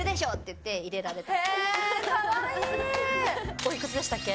おいくつでしたっけ？